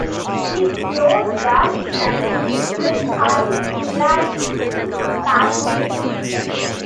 His brows were knitting, his eyes dilating passionately.